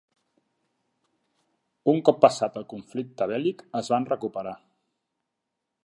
Un cop passat el conflicte bèl·lic es van recuperar.